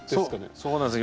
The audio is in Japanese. そうなんです。